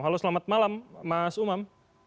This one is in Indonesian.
halo selamat malam mas umam